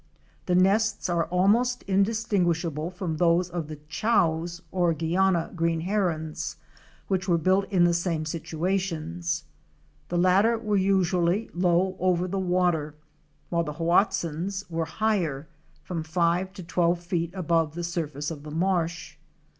The nests are almost indistinguishable from those of the "Chows"' or Guiana Green Herons which were built in the same situations. The latter were usually low over the water, while the Hoatzins' were higher, from five to twelve feet above the surface of the marsh.